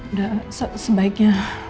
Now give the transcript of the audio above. udah sa sebaiknya